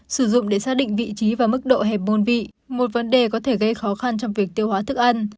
sử dụng để xác định vị trí và mức độ hẹp môn vị một vấn đề có thể gây khó khăn trong việc tiêu hóa thức ăn